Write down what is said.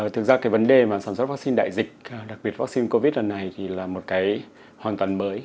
thực ra vấn đề sản xuất vaccine đại dịch đặc biệt vaccine covid một mươi chín này là một cái hoàn toàn mới